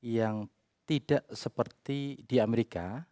yang tidak seperti di amerika